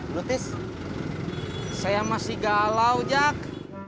lutis saya masih galau jak